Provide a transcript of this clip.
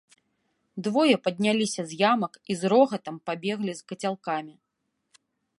Двое падняліся з ямак і з рогатам пабеглі з кацялкамі.